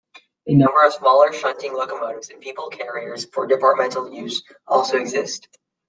A number of smaller shunting locomotives and people carriers for departmental use also exist.